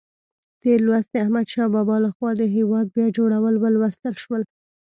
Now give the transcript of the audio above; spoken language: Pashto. تېر لوست د احمدشاه بابا لخوا د هېواد بیا جوړول ولوستل شول.